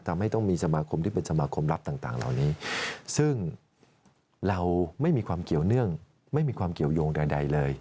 ทำให้ต้องมีสมาคมที่เป็นสมาคมรัฐต่างเหล่านี้ซึ่งเราไม่มีความเกี่ยวเนื่องไม่มีความเกี่ยวยงใดเลย